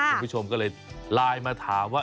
คุณผู้ชมก็เลยไลน์มาถามว่า